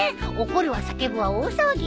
怒るわ叫ぶわ大騒ぎ！